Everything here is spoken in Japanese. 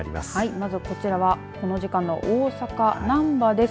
まずこちらはこの時間の大阪、難波です。